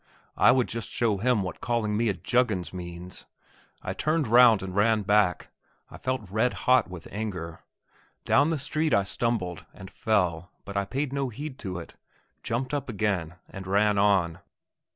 I would just show him what calling me a "Juggins" means. I turned round and ran back. I felt red hot with anger. Down the street I stumbled, and fell, but I paid no heed to it, jumped up again, and ran on.